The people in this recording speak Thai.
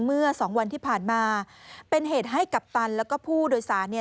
เมื่อสองวันที่ผ่านมาเป็นเหตุให้กัปตันแล้วก็ผู้โดยสารเนี่ย